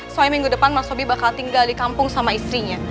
soalnya minggu depan mas sobi bakal tinggal di kampung sama istrinya